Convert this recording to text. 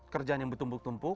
kerjaan yang bertumpuk tumpuk